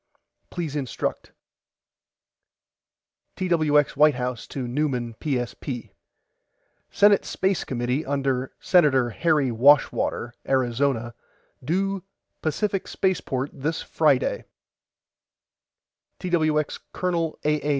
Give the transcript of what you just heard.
PLEASE INSTRUCT TWX WHITE HOUSE TO NEUMAN PSP: SENATE SPACE COMMITTEE UNDER SENATOR HARRY WASHWATER ARIZONA DUE PACIFIC SPACEPORT THIS FRIDAY TWX COL. A. A.